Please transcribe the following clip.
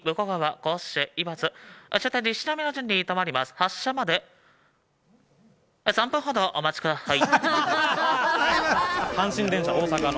発車まで３分ほどお待ちください。